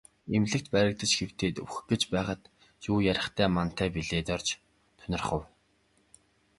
Эмнэлэгт баригдаж хэвтээд үхэх гэж байхад юу ярихтай мантай билээ гэж Дорж тунирхав.